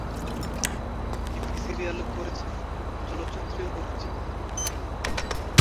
TV সিরিয়ালে করছেন, চলচ্চিত্রেও করছেন।